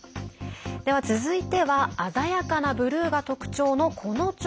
では続いては鮮やかなブルーが特徴の、この蝶。